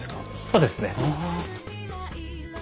そうですね。